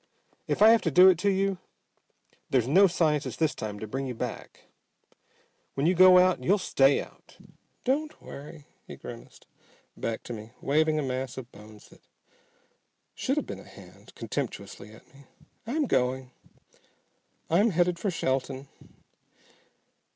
If I have to do it to you, there's no scientist this time to bring you back. When you go out you'll stay out!" "Don't worry," he grimaced back to me, waving a mass of bones that should have been a hand contemptuously at me, "I'm going. I'm headed for Shelton."